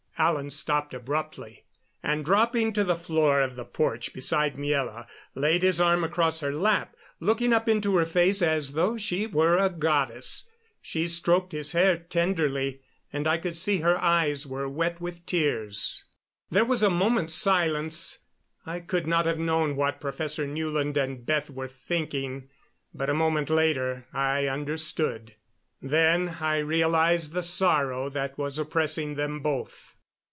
Alan stopped abruptly, and, dropping to the floor of the porch beside Miela, laid his arm across her lap, looking up into her face as though she were a goddess. She stroked his hair tenderly, and I could see her eyes were wet with tears. There was a moment's silence. I could not have known what Professor Newland and Beth were thinking, but a moment later I understood. Then I realized the sorrow that was oppressing them both.